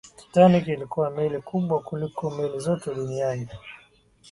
titanic ilikuwa meli kubwa kuliko meli zote duniani